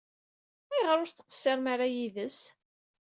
Ayɣer ur tettqeṣirem ara yid-s?